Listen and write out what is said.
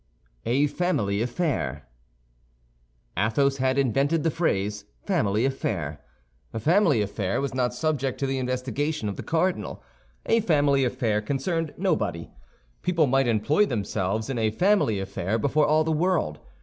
A FAMILY AFFAIR Athos had invented the phrase, family affair. A family affair was not subject to the investigation of the cardinal; a family affair concerned nobody. People might employ themselves in a family affair before all the world.